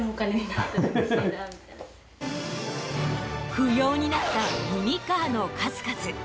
不用になったミニカーの数々。